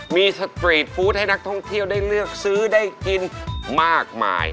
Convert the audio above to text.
มีสตรีทฟู้ดให้นักท่องเที่ยวได้เลือกซื้อได้กินมากมาย